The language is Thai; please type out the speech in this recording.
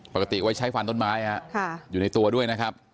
ปกติไว้ใช้ฟันต้นไม้อยู่ในตัวด้วยนะครับ